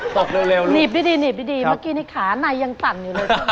เร็วเลยหนีบดีหนีบดีเมื่อกี้นี่ขาในยังสั่นอยู่เลย